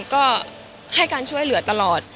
ก็ให้การช่วยเหลือตลอด